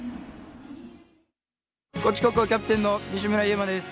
高知高校キャプテンの西村侑真です。